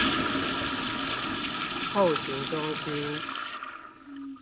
後勤中心